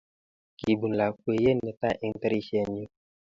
Kibun lapkeiyet netai eng tirishen nyu.